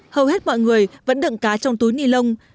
hầu hết mọi người vẫn đựng cá trong túi ni lông